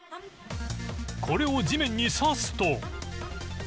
これを地面に刺すと。